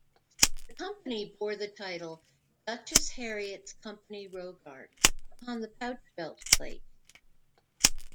The company bore the title "Duchess Harriet's Company Rogart" upon the pouch-belt plate.